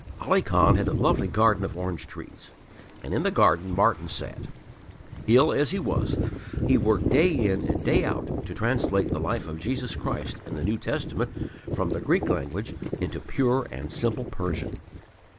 Ali Khan had a lovely garden of orange trees, and in the garden Martyn sat. Ill as he was, he worked day in and day out to translate the life of Jesus Christ in the New Testament from the Greek language into pure and simple Persian.